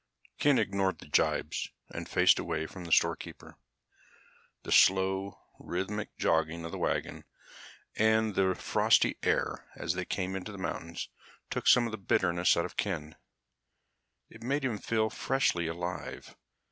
Ken ignored the jibes and faced away from the storekeeper. The slow, rhythmic jogging of the wagon, and the frosty air as they came into the mountains took some of the bitterness out of Ken. It made him feel freshly alive.